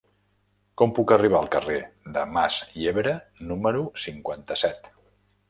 Com puc arribar al carrer de Mas Yebra número cinquanta-set?